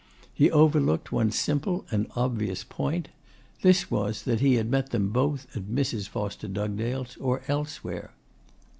He overlooked one simple and obvious point. This was that he had met them both at Mrs. Foster Dugdale's or elsewhere.